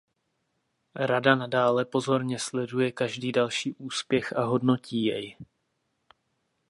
Rada nadále pozorně sleduje každý další úspěch a hodnotí jej.